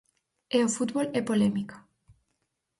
E o fútbol é polémica.